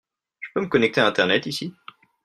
Je peux me connecter à Internet ici ?